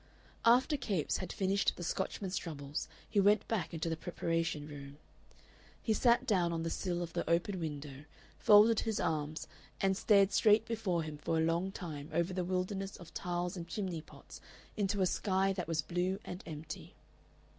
After Capes had finished the Scotchman's troubles he went back into the preparation room. He sat down on the sill of the open window, folded his arms, and stared straight before him for a long time over the wilderness of tiles and chimney pots into a sky that was blue and empty.